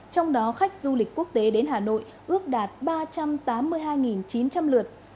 trong đó khách du lịch quốc tế đến hà nội ước đạt ba trăm tám mươi hai chín trăm linh lượt